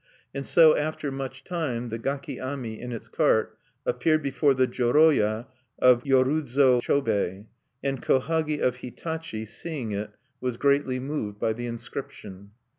And so, after much time, the gaki ami in its cart appeared before the joroya of Yorodzuya Chobei; and Kohagi of Hitachi, seeing it, was greatly moved by the inscription.